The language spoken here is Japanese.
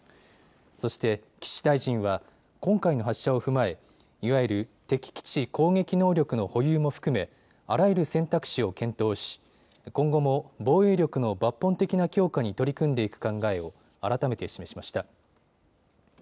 そして、岸大臣は今回の発射を踏まえいわゆる敵基地攻撃能力の保有も含めあらゆる選択肢を検討し今後も防衛力の抜本的な強化に取り組んでいく考えを改めて示しました。